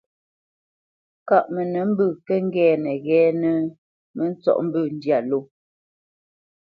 Kâʼ mənə mbə̂ kə́ ŋgɛ́nə ghɛ́ɛ́nə́, mə ntsɔ́ʼ mbə̂ ndyâ ló.